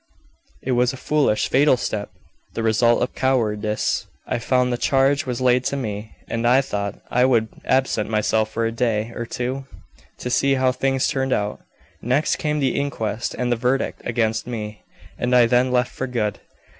It was a foolish, fatal step, the result of cowardice. I found the charge was laid to me, and I thought I would absent myself for a day or two, to see how things turned out. Next came the inquest and the verdict against me, and I then left for good."